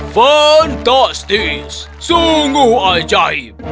fantastis sungguh ajaib